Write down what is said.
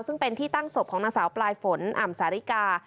ซึ่งเป็นที่ตั้งศพของนางสาวปลายฝนอ่ำสาริกา